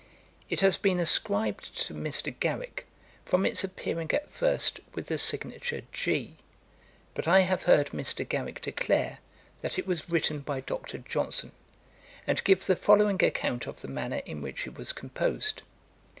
It has been ascribed to Mr. Garrick, from its appearing at first with the signature G; but I have heard Mr. Garrick declare, that it was written by Dr. Johnson, and give the following account of the manner in which it was composed.